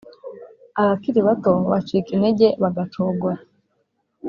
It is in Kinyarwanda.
Abakiri bato bacika intege, bagacogora,